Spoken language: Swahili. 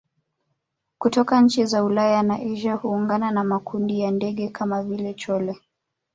kutoka nchi za Ulaya na Asia huungana na makundi ya ndege kama vile chole